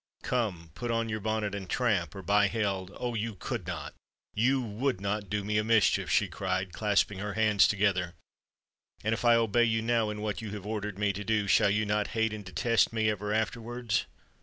Come, put on your bonnet and tramp; or, by hell——" "Oh! you could not—you would not do me a mischief!" she cried, clasping her hands together. "And if I obey you now, in what you have ordered me to do, shall you not hate and detest me ever afterwards?"